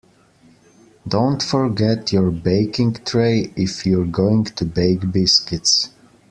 Don't forget your baking tray if you're going to bake biscuits